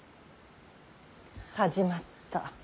始まった。